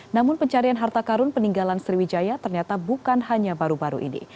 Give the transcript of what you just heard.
namun pencarian harta karun peninggalan sriwijaya ternyata bukan hanya baru baru ini